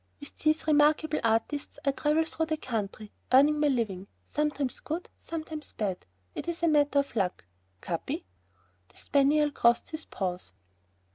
With these remarkable artistes I travel through the country, earning my living, sometimes good, sometimes bad, ... it is a matter of luck! Capi!..." The spaniel crossed his paws.